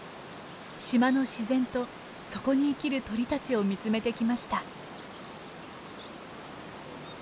島の自然とそこに生きる鳥たちを見つめてきました。